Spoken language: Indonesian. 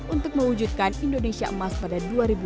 untuk mewujudkan indonesia emas pada dua ribu dua puluh